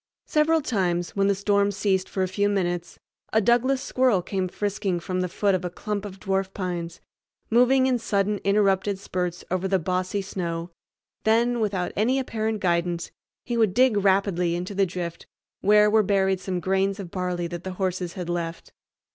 Several times, when the storm ceased for a few minutes, a Douglas squirrel came frisking from the foot of a clump of dwarf pines, moving in sudden interrupted spurts over the bossy snow; then, without any apparent guidance, he would dig rapidly into the drift where were buried some grains of barley that the horses had left.